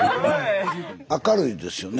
明るいですよね。